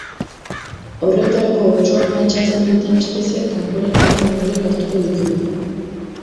Horretarako, otsoa mehatxatzen duten espezieak kanporatzeko neurriak hartuko ditu.